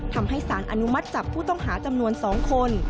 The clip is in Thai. ทำให้สารอนุมัติจับผู้ต้องหาจำนวน๒คน